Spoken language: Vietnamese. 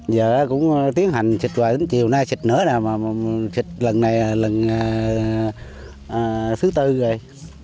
giờ cũng tiến hành xịt hoài đến chiều nay xịt nữa rồi xịt lần này lần thứ tư rồi